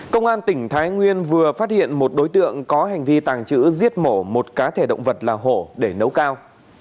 công an tỉnh thái nguyên vừa phát hiện một đối tượng có hành vi tàng trữ giết mổ một cá thể động vật là hổ để nấu cao